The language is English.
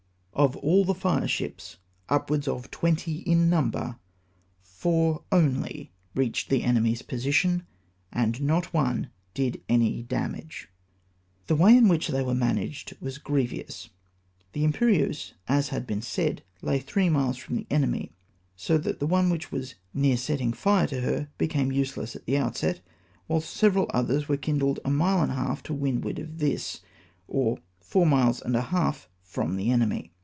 Of all the fireships, upwards of twenty in number, four only reached the eiiemy's position^ and not one did any damage I The way in wliich they were managed was grievous. The Imperieuse, as has been said, lay three miles from the enemy, so that the one wliich was near setting fire to her became useless at the outset ; whilst several others were kindled a mile and a half to windward of this, or four miles and a half fi"om the enemy.